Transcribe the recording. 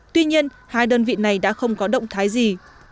tuy nhiên hai đơn vị này đã không có động thái gì